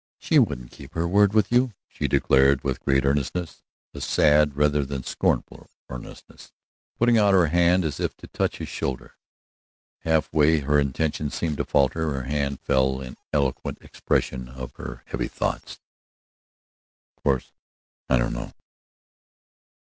"She wouldn't keep her word with you," she declared with great earnestness, a sad, rather than scornful earnestness, putting out her hand as if to touch his shoulder. Half way her intention seemed to falter; her hand fell in eloquent expression of her heavy thoughts. "Of course, I don't know."